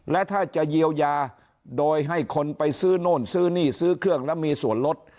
และถ้าจะเยียวยาโดยให้คนไปซื้อโน่นซื้อนี่ซื้อเครื่องแล้วมีส่วนลด